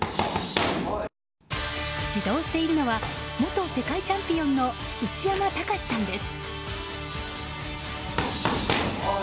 指導しているのは元世界チャンピオンの内山高志さんです。